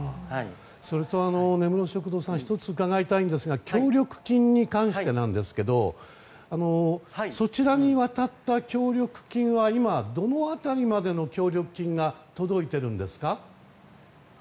それと、根室食堂さん１つ伺いたいんですが協力金に関してですがそちらに渡った協力金は今、どの辺りまでの協力金が届いているんですか。